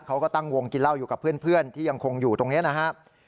เขาก็ตั้งวงกินเหล้าอยู่กับเพื่อนที่ยังคงอยู่ตรงนี้นะครับ